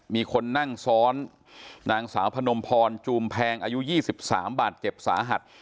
มีคนนั่งซ้อนนางสาวพนมพรจูมแพงอายุ๒๓บาทเจ็บสาหัส